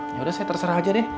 yaudah saya terserah aja deh